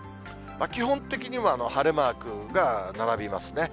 基本的には晴れマークが並びますね。